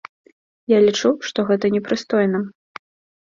Я лічу, што гэта непрыстойна.